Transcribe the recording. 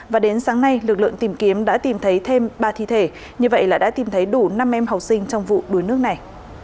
và đến sáng nay lực lượng tìm kiếm đã tìm thấy thêm ba thi thể như vậy là đã tìm thấy đủ năm em học sinh trong vụ đuối nước này